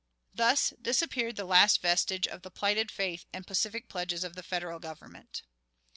" Thus disappeared the last vestige of the plighted faith and pacific pledges of the Federal Government.